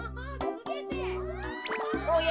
・おや？